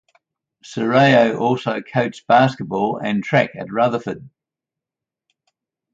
Serrao also coached basketball and track at Rutherford.